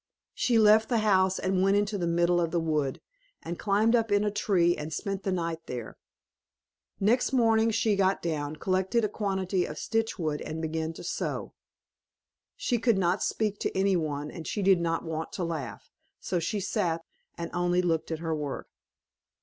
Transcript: She left the house, and went into the middle of the wood, and climbed up in a tree and spent the night there. Next morning she got down, collected a quantity of stitchweed, and began to sew. She could not speak to any one, and she did not want to laugh; so she sat, and only looked at her work.